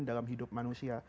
dalam hidup manusia